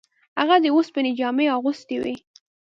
هغه د اوسپنې جامې اغوستې وې.